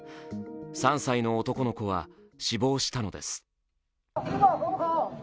３歳の男の子は死亡したのです。